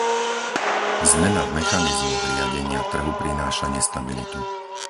Zmena v mechanizmoch riadenia trhu prináša nestabilitu.